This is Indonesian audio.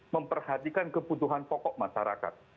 memperhatikan kebutuhan pokok masyarakat